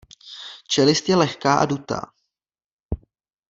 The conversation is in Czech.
Čelist je lehká a dutá.